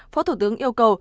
phó thủ tướng yêu cầu